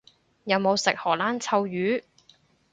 有冇食荷蘭臭魚？